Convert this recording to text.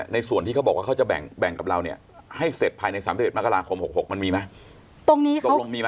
ในส่วนที่เขาบอกว่าเขาจะแบ่งกับเราให้เสร็จภายใน๓๑มกราคม๖๖มันมีไหม